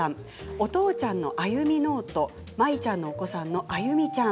お父ちゃんの歩みノート舞ちゃんのお子さんの歩ちゃん